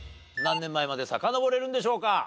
何年前までさかのぼれるんでしょうか？